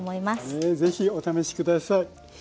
ねえぜひお試し下さい。